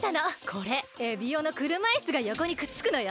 これエビオのくるまいすがよこにくっつくのよ。